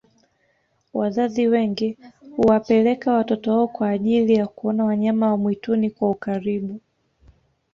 wazazi wengi huwapeleka watoto wao kwa ajiili ya kuona wanyama wa mwituni kwa ukaribu